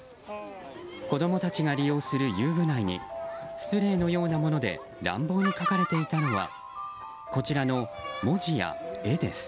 子供たちが利用する遊具内にスプレーのようなもので乱暴に書かれていたのはこちらの文字や絵です。